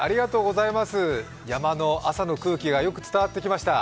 山の朝の空気がよく伝わってきました。